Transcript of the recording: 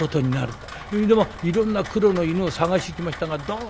でいろんな黒の犬を探してきましたがどうしても嫌だ。